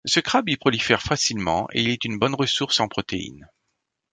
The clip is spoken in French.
Ce crabe y prolifère facilement et il est une bonne ressource en protéines.